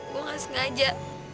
gue gak sengaja